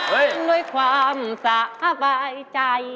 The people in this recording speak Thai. เป็นด้วยความสะอายใจ